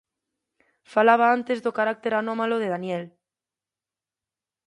Falaba antes do carácter anómalo de Danielle.